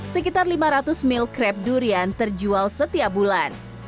sekitar lima ratus meal crepe durian terjual setiap bulan